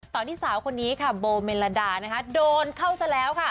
ตอนที่สาวคนนี้โบเมลดาโดนเข้าซะแล้ว